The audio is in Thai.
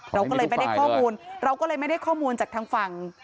เราก็เลยไม่ได้ข้อมูลเราก็เลยไม่ได้ข้อมูลจากทางฝั่ง